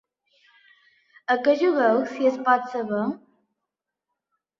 A què jugueu, si es pot saber?